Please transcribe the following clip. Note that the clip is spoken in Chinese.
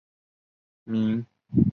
名字常被音译为金雪贤。